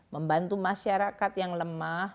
membantu masyarakat yang lemah